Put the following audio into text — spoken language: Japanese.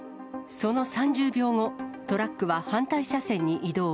その３０秒後、トラックは反対車線に移動。